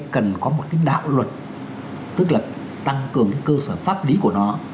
cần có một cái đạo luật tức là tăng cường cái cơ sở pháp lý của nó